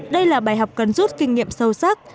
đây là bài học cần rút kinh nghiệm sâu sắc